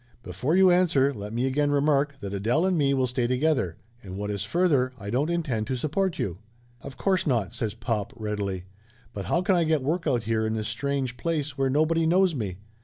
Before you answer, let me again re mark that Adele and me will stay together. And what is further, I don't intend to support you." "Of course not !" says pop readily. "But how can I get work out here in this strange place where nobody knows me?